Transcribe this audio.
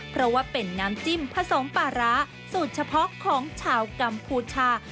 เพราะว่าเป็นน้ำจิ้มผสมปลาร้าสูตรเฉพาะของชาวกัมพูชา